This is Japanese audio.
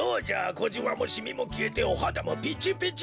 こじわもシミもきえておはだもピチピチじゃろう。